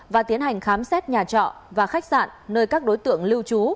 và tiến hành khám xét nhà trọ và khách sạn nơi các đối tượng lưu trú